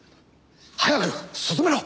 早く進めろ！